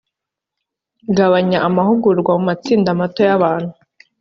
gabanya abahugurwa mu matsinda mato y abantu